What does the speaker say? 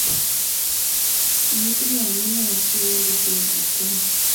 Metinye amune asii walu tebutyoni